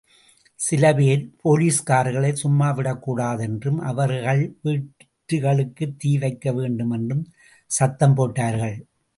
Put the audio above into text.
சில பேர் போலீஸ்காரர்களை சும்மாவிடக் கூடாது என்றும் அவர்கள் வீடுகளுக்குத் தீ வைக்க வேண்டும் என்றும் சத்தம் போட்டார்கள்.